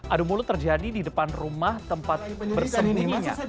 aduh mulut terjadi di depan rumah tempat bersembunyinya